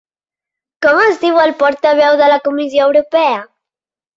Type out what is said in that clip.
Com es diu el portaveu de la Comissió Europea?